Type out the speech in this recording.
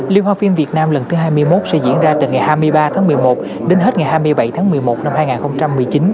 liên hoan phim việt nam lần thứ hai mươi một sẽ diễn ra từ ngày hai mươi ba tháng một mươi một đến hết ngày hai mươi bảy tháng một mươi một năm hai nghìn một mươi chín